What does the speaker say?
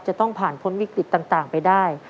จะต้องผ่านพ้นวิกฤตต่างไปได้